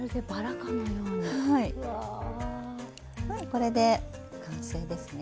これで完成ですね。